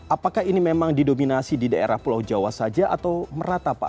apakah ini memang didominasi di daerah pulau jawa saja atau merata pak